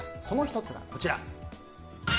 その１つが、こちら。